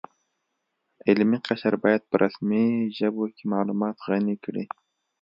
علمي قشر باید په رسمي ژبو کې معلومات غني کړي